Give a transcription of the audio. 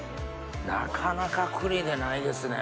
なかなか栗でないですね。